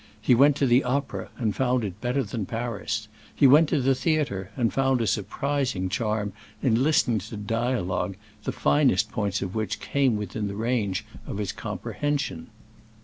He went to the opera and found it better than in Paris; he went to the theatre and found a surprising charm in listening to dialogue the finest points of which came within the range of his comprehension.